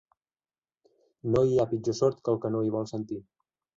No hi ha pitjor sord que el que no hi vol sentir.